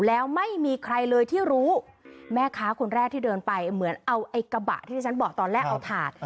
แล้วไม่มีใครเลยที่รู้แม่ค้าคนแรกที่เดินไปเหมือนเอาไอ้กระบะที่ที่ฉันบอกตอนแรกเอาถาด